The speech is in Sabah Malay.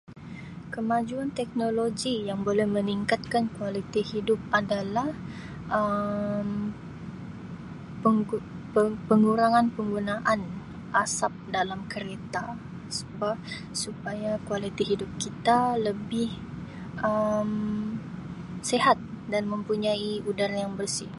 Kemajuan teknologi yang boleh meningkatkan kualiti hidup adalah Um pengu-pengu-pengurangan penggunaan asap dalam kereta sebab supaya kualiti hidup kita lebih Um sihat dan mempunyai udara yang bersih.